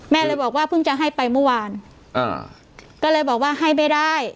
เลยบอกว่าเพิ่งจะให้ไปเมื่อวานอ่าก็เลยบอกว่าให้ไม่ได้